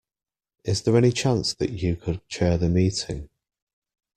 Is there any chance that you could chair the meeting?